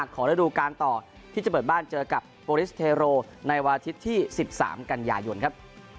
ระดูการต่อที่จะเปิดบ้านเจอกับโปรลิสเทโรในวันอาทิตย์ที่๑๓กันยายนครับ